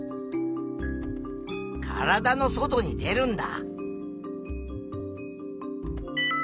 体の外に出るんだ。